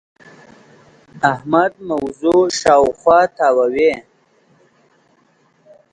احمد موضوع شااوخوا تاووې.